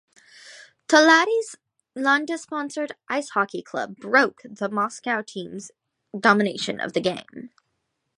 Tolyatti's Lada-sponsored Ice Hockey Club broke the Moscow teams' domination of the game.